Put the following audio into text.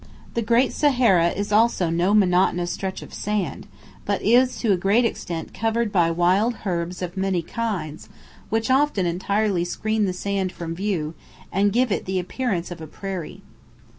The great Sahara also is no monotonous stretch of sand, but is to a great extent covered by wild herbs of many kinds, which often entirely screen the sand from view, and give it the appearance of a prairie.